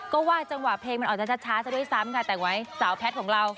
ก็ว่าจังหวะเพลงมันอาจจะช้าซะด้วยซ้ำค่ะแต่งไว้สาวแพทย์ของเรา